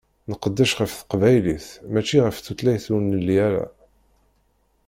Nqeddec ɣef teqbaylit, mačči ɣef tutlayt ur nelli ara.